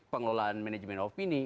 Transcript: pengelolaan manajemen opini